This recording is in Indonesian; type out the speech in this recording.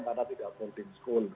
karena tidak boarding school